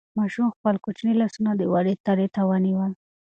ماشوم خپل کوچني لاسونه د ونې تنې ته ونیول.